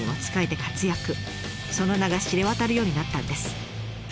その名が知れ渡るようになったんです。